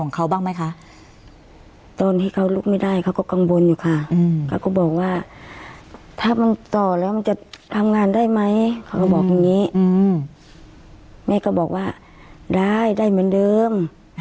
เขากลุกไม่ได้เขาก็กังวลอยู่ค่ะก็ก็บอกว่าถ้ามันต่อแล้วจะทำงานได้ไหมเขาก็บอกอย่างนี้แม่ก็บอกว่าได้ได้เหมือนเดิม